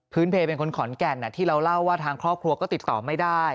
เพลเป็นคนขอนแก่นที่เราเล่าว่าทางครอบครัวก็ติดต่อไม่ได้